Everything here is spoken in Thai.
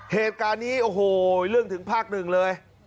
เหตุการณ์นี้โอ้โหเรื่องถึงภาคหนึ่งเลย